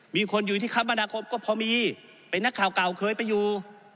มีคนอยู่ที่คมนาคมก็พอมีเป็นนักข่าวเก่าเคยไปอยู่